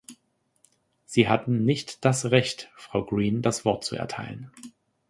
Sie hatten nicht das Recht, Frau Green das Wort zu erteilen.